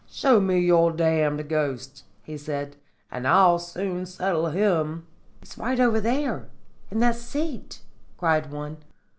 "'Show me your damned ghost,' he said, 'and I'll soon settle him.' "'He's over there in that seat,' cried one.